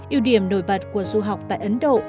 yêu điểm nổi bật của du học tại ấn độ